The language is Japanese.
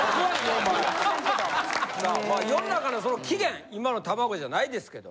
世の中のその期限今の卵じゃないですけど。